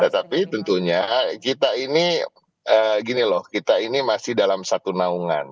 tapi tentunya kita ini masih dalam satu naungan